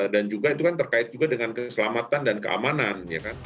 dan juga itu kan terkait juga dengan keselamatan dan keamanan